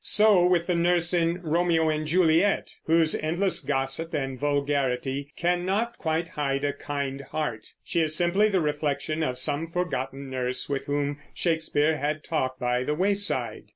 So with the nurse in Romeo and Juliet, whose endless gossip and vulgarity cannot quite hide a kind heart. She is simply the reflection of some forgotten nurse with whom Shakespeare had talked by the wayside.